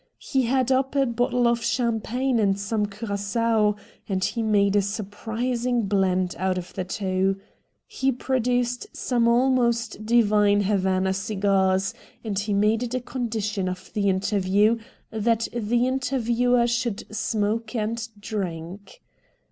He had up a bottle of champagne and some cura9oa, and he made a surprising blend out of the two. He produced some almost divine Havana cigars, and he made it a condition of the interview that the interviewer should 204 RED DIAMONDS smoke and drink.